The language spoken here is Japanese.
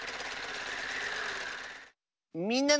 「みんなの」。